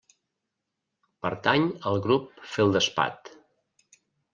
Pertany al grup feldespat.